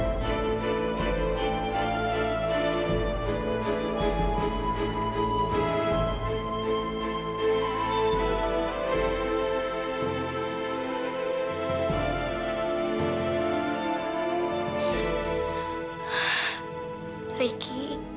kau langsung ke rumah sendiri